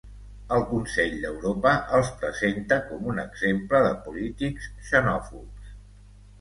El consell d'Europa els presenta com un exemple de polítics xenòfobs.